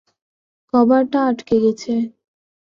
কভারটা আটকে গেছে।